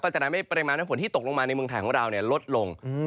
จะทำให้ปริมาณน้ำฝนที่ตกลงมาในเมืองไทยของเราลดลง